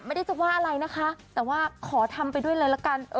ไม่ได้จะว่าอะไรนะคะแต่ว่าขอทำไปด้วยเลยละกัน